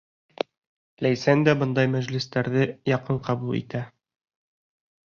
Ләйсән дә бындай мәжлестәрҙе яҡын ҡабул итә.